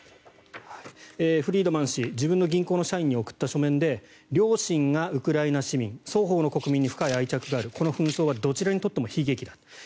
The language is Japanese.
フリードマン氏自分の銀行の社員に送った書面で両親がウクライナ市民双方の国民に深い愛着があるこの紛争はどちらにとっても悲劇だ。